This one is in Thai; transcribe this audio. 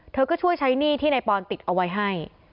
เธอก็ช่วยใช้หนี้ที่นายปอนติดเอาไว้ให้